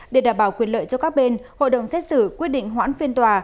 để đảm bảo quyền lợi cho các bên hội đồng xét xử quyết định hoãn phiên tòa